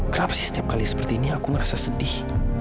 kenapa sih setiap kali seperti ini aku merasa sedih